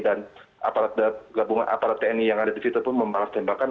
aparat gabungan aparat tni yang ada di situ pun membalas tembakan